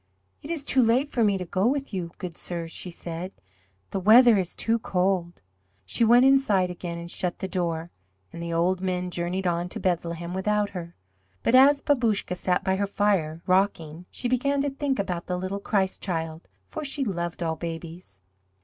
"It is too late for me to go with you, good sirs," she said, "the weather is too cold." She went inside again and shut the door, and the old men journeyed on to Bethlehem without her. But as Babouscka sat by her fire, rocking, she began to think about the Little Christ Child, for she loved all babies.